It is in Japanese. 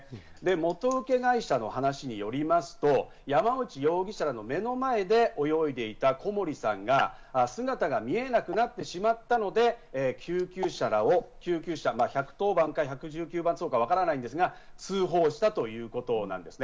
元請会社の話によりますと、山下容疑者らの目の前で泳いでいた小森さんが姿が見えなくなってしまったので、救急車、１１０番か１１９番かわからないですけれど、通報したということなんですね。